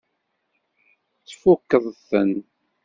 Tfukkeḍ-ten?